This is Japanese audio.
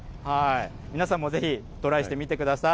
皆さんもぜひ、トライしてみてください。